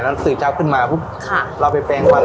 แล้วตื่อเช้าขึ้นมาเราไปแป้งฟัน